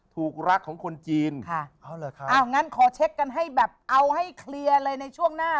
ถูกรักของคนจีนค่ะเอาเลยค่ะเอ้างั้นขอให้แบบเอาให้เคลียร์เลยในช่วงหน้า